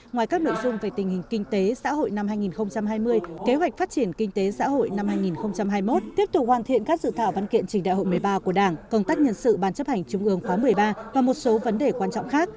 ngoài các nội dung về tình hình kinh tế xã hội năm hai nghìn hai mươi kế hoạch phát triển kinh tế xã hội năm hai nghìn hai mươi một tiếp tục hoàn thiện các dự thảo văn kiện trình đại hội một mươi ba của đảng công tác nhân sự bàn chấp hành trung ương khóa một mươi ba và một số vấn đề quan trọng khác